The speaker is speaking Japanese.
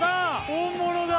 本物だ！